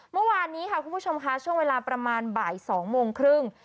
เมื่อวานนี้ค่ะคุณผู้ชมค่ะช่วงเวลาประมาณบ่าย๒โมงครึ่ง